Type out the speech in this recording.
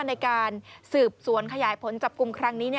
ในการสืบสวนขยายผลจับกลุ่มครั้งนี้